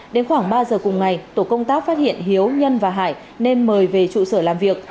đến khoảng ba giờ cùng ngày tổ công tác phát hiện hiếu nhân và hải nên mời về trụ sở làm việc